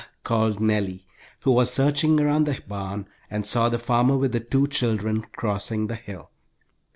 called Nellie, who was searching around the barn, and saw the farmer with the two children crossing the hill.